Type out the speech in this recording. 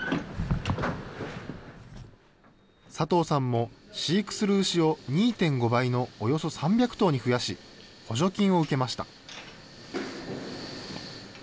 佐藤さんも飼育する牛を２．５倍のおよそ３００頭に増やし、補助金を受けました。